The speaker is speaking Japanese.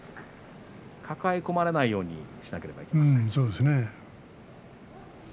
抱え込まれないようにしなければいけませんね。